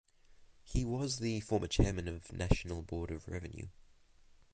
He was the former Chairman of National Board of Revenue.